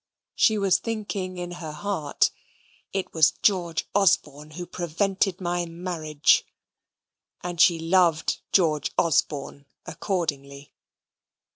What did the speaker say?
She was thinking in her heart, "It was George Osborne who prevented my marriage." And she loved George Osborne accordingly.